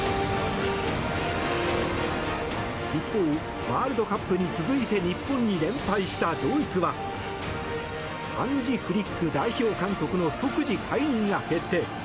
一方、ワールドカップに続いて日本に連敗したドイツはハンジ・フリック代表監督の即時解任が決定。